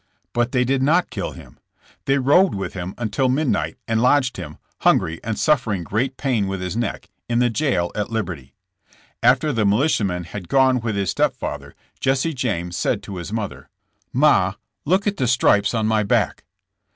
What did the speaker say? But they did not kill him. They rode with him until midnight and lodged him, hungry and suffering great pain with his neck, in the jail at Liberty. After the militiamen had gone with his step father, Jesse James said to his mother: "Ma, look at the stripes on my back.'